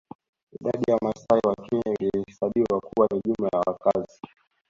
Idadi ya Wamasai wa Kenya ilihesabiwa kuwa ni jumla ya wakazi